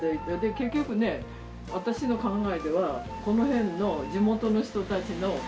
結局ね私の考えではこの辺の地元の人たちの命をね